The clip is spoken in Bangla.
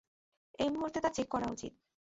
এই মুহূর্তে তা চেক করা উচিত।